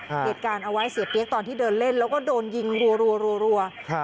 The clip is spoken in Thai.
เหตุการณ์เอาไว้เสียเปี๊ยกตอนที่เดินเล่นแล้วก็โดนยิงรัวครับ